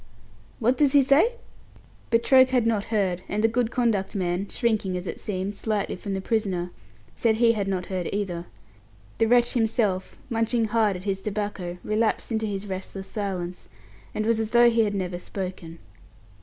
"What does he say?" But Troke had not heard, and the "good conduct" man, shrinking as it seemed, slightly from the prisoner, said he had not heard either. The wretch himself, munching hard at his tobacco, relapsed into his restless silence, and was as though he had never spoken.